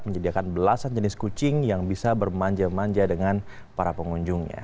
menyediakan belasan jenis kucing yang bisa bermanja manja dengan para pengunjungnya